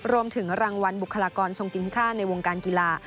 รวมถึงรางวัลบุคลากรทรงกินค่าในวงการกีฬา